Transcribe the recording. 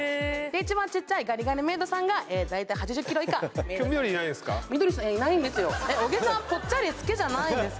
一番ちっちゃいガリガリメイドさんが大体８０ｋｇ以下えっ小木さん